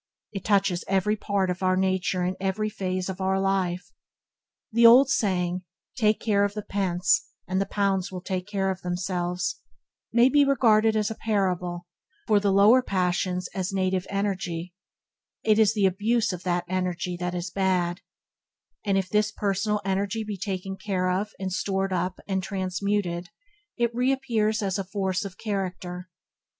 It touches every part of our nature and every phase of our life. The old saying, "Take care of the pence, and the pounds will take care of themselves", may be regarded as a parable, for the lower passions as native energy; it is the abuse of that energy that is bad, and if this personal energy be taken care of and stored up and transmuted, it reappears as force of character.